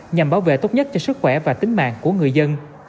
nhằm bảo vệ tốt nhất cho sức khỏe và tính mạng của người dân